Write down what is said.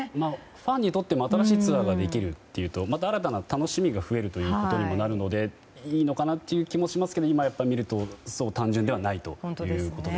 ファンにとっても新しいツアーができるというとまた新たな楽しみが増えるということにもなるのでいいのかなという気もしますけど今、見るとそう単純ではないということですね。